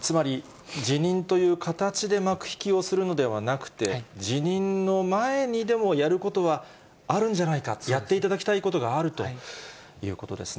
つまり、辞任という形で幕引きをするのではなくて、辞任の前にでもやることはあるんじゃないか、やっていただきたいことがあるということですね。